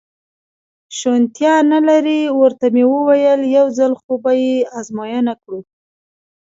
شونېتیا نه لري، ورته مې وویل: یو ځل خو به یې ازموینه کړو.